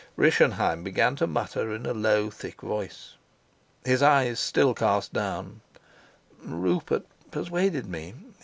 Rischenheim began to mutter in a low thick voice, his eyes still cast down: "Rupert persuaded me.